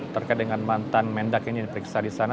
terkait dengan mantan mendak ini diperiksa di sana